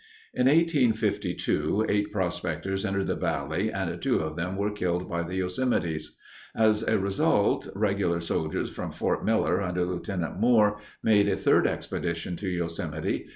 In 1852, eight prospectors entered the valley and two of them were killed by the Yosemites. As a result regular soldiers from Fort Miller, under Lt. Moore, made a third expedition to Yosemite.